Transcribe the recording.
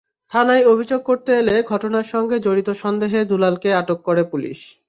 থানায় অভিযোগ করতে এলে ঘটনার সঙ্গে জড়িত সন্দেহে দুলালকে আটক করে পুলিশ।